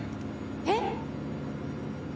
えっ？